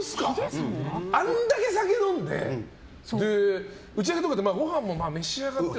あんだけ酒飲んで打ち上げとかでごはんも召し上がってて。